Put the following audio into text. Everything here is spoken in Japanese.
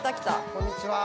こんにちは。